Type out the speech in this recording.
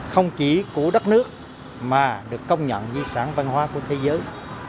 không chỉ của đất nước mà được công nhận di sản văn hóa của thế giới